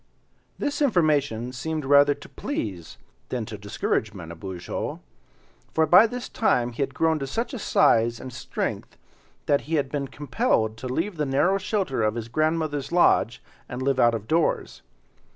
This information seemed rather to please than to discourage Manabozho, for by this time he had grown to such a size and strength that he had been compelled to leave the narrow shelter of his grandmother's lodge and live out of doors.